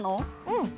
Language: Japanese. うん！